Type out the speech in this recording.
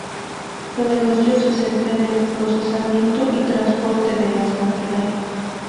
Su negocio se centra en el procesamiento y transporte de gas natural.